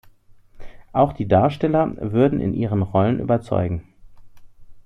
Auch die Darsteller würden in ihren Rollen überzeugen.